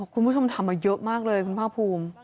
คุณผู้ชมถามมาเยอะมากเลยคุณภาคภูมิ